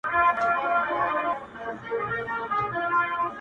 دا ستا ښكلا ته شعر ليكم؛